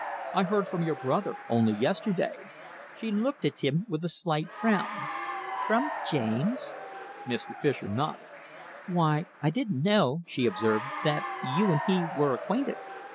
I heard from your brother only yesterday." She looked at him with a slight frown. "From James?" Mr. Fischer nodded. "Why, I didn't know," she observed, "that you and he were acquainted."